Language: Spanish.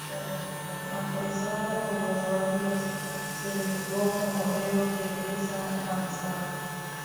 Apresado por los guardias, se le juzgó como reo de lesa majestad.